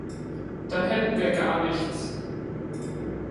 Dann hätten wir gar nichts.